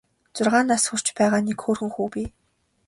Зургаан нас хүрч байгаа нэг хөөрхөн хүү бий.